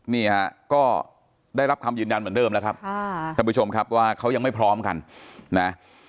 นี่ฮะก็ได้รับคำยืนยันเหมือนเดิมแล้วครับท่านผู้ชมครับว่าเขายังไม่พร้อมกันนะ